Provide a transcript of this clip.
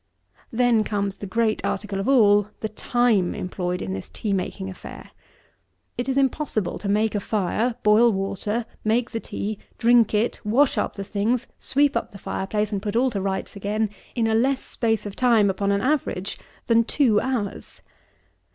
Then comes the great article of all, the time employed in this tea making affair. It is impossible to make a fire, boil water, make the tea, drink it, wash up the things, sweep up the fire place, and put all to rights again, in a less space of time, upon an average, than two hours.